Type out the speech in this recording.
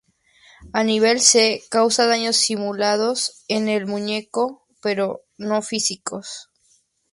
El nivel C, causa daños simulados en el muñeco, pero no físicos.